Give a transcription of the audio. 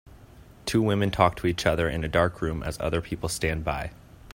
Two women talk to each other in a dark room as other people stand by.